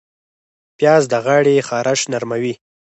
پیاز د غاړې خراش نرموي